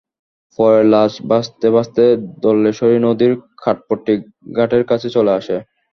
পরে লাশ ভাসতে ভাসতে ধলেশ্বরী নদীর কাঠপট্টি ঘাটের কাছে চলে আসে।